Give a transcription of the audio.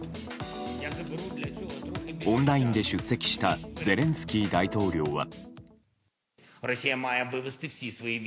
オンラインで出席したゼレンスキー大統領は。